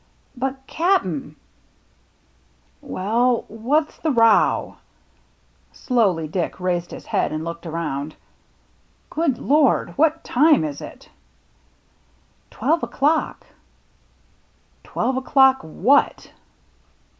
" But, Cap'n !" "Well, what's the row?" Slowly Dick raised his head and looked around. " Good Lord ! What time is it ?" "Twelve o'clock." "Twelve o'clock what